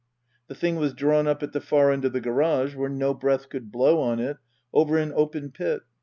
The thing was drawn up at the far end of the garage, where no breath could blow on it, over an open pit.